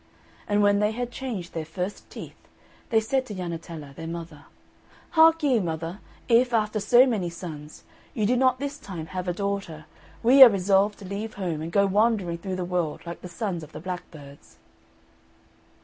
And when they had changed their first teeth, they said to Jannetella their mother, "Hark ye, mother, if, after so many sons, you do not this time have a daughter, we are resolved to leave home, and go wandering through the world like the sons of the blackbirds."